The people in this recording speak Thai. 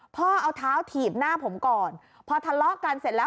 พ่อเอาเท้าถีบหน้าผมก่อนพอทะเลาะกันเสร็จแล้ว